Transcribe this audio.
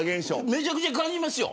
めちゃくちゃ感じますよ。